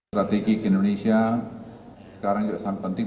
strategi ke indonesia sekarang juga sangat penting